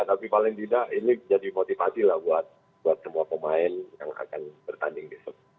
tapi paling tidak ini jadi motivasi lah buat semua pemain yang akan bertanding besok